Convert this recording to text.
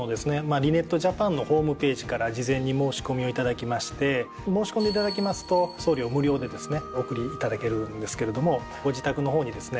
リネットジャパンのホームページから事前に申し込みをいただきまして申し込んでいただきますと送料無料でですねお送りいただけるんですけれどもご自宅の方にですね